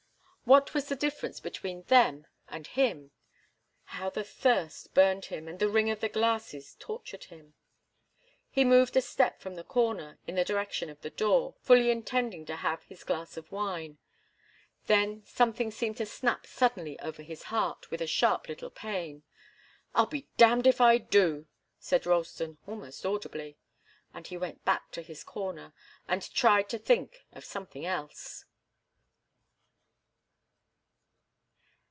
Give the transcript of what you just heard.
What was the difference between them and him? How the thirst burned him, and the ring of the glasses tortured him! He moved a step from the corner, in the direction of the door, fully intending to have his glass of wine. Then something seemed to snap suddenly over his heart, with a sharp little pain. "I'll be damned if I do," said Ralston, almost audibly. And he went back to his corner, and tried to think of something else.